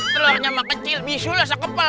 telurnya mah kecil bisulnya sekepel